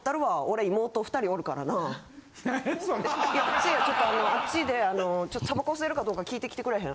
「せいやちょっとあのあっちでタバコ吸えるかどうか聞いてきてくれへん？」。